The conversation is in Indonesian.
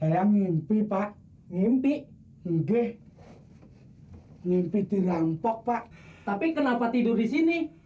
saya mimpi pak mimpi nge gay mimpi dirampok pak tapi kenapa tidur di sini